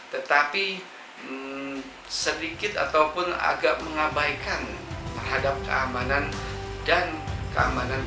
tetapi sedikit ataupun agak mengabaikan terhadap keamanan dan keamanan